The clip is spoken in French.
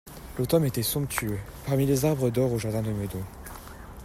L'automne était somptueux, parmi les arbres d'or au jardin de Meudon.